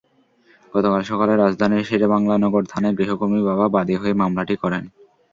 গতকাল সকালে রাজধানীর শেরেবাংলা নগর থানায় গৃহকর্মীর বাবা বাদী হয়ে মামলাটি করেন।